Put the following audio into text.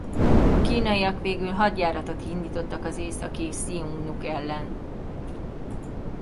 A kínaiak végül hadjáratot indítottak az északi hsziungnuk ellen.